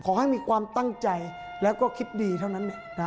ขอให้มีความตั้งใจแล้วก็คิดดีเท่านั้น